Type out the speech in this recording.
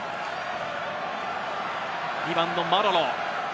２番のマロロ。